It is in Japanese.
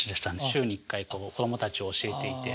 週に１回子供たちを教えていて。